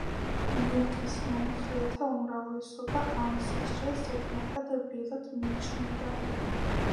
მილკის მომხრეთა უმრავლესობა ამ სასჯელს ზედმეტად რბილად მიიჩნევდა.